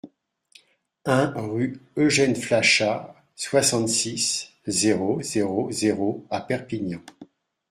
un rue Eugene Flachat, soixante-six, zéro zéro zéro à Perpignan